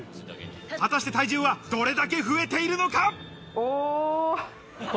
果たして体重はどれだけ増えているのか？